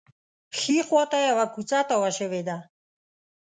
ښي خوا ته یوه کوڅه تاوه شوې ده.